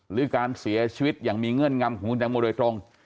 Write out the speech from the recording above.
หรือการเสียชีวิตอย่างมีเงื่อนงำของคุณแตงโมโดยตรง